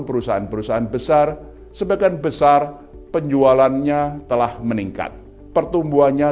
perusahaan perusahaan besar sebagian besar penjualannya telah meningkat pertumbuhannya